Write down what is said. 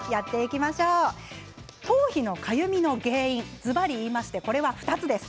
頭皮のかゆみの原因ずばり言いましてこれは２つです。